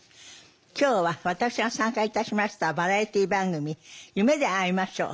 今日は私が参加いたしましたバラエティー番組「夢であいましょう」。